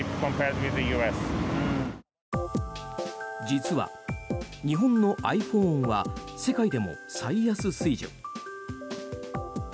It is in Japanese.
実は日本のｉＰｈｏｎｅは世界でも最安水準。